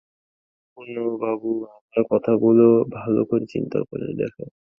পূর্ণবাবু, আমার কথাগুলো ভালো করে চিন্তা করে দেখো।